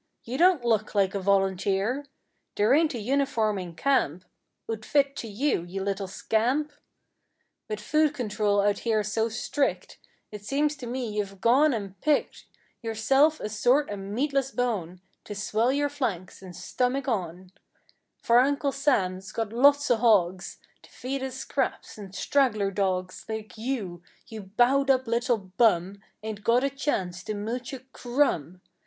You don't look like a volunteer! There ain't a uniform in camp 'Ould fit to you, you little scamp f With food control out here so strict It seems to me you've gone and picked Yourself a sort o' meatless bone To swell your flanks and stummick on, For Uncle Sam's got lots o r hogs To feed his scraps, and straggler dogs Like you, you bowed up little hum, Ain't got a chance to mooch a crumb!